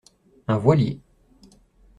Un voilier.